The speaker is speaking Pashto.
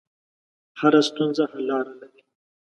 هره ستونزه حل لاره لري.